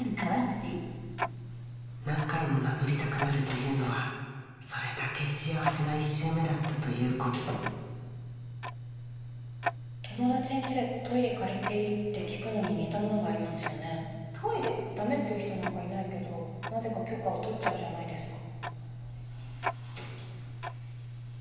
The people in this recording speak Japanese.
何回もなぞりたくなるというのはそれだけ幸せな１周目だったというこ友達ん家で「トイレ借りていい？」って聞くのに「ダメ」って言う人なんかいないけどなぜか許可を取っちゃうじゃないですか